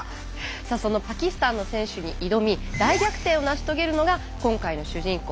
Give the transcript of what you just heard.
さあそのパキスタンの選手に挑み大逆転を成し遂げるのが今回の主人公